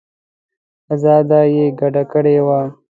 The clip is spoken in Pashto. آوازه یې ګډه کړې وه.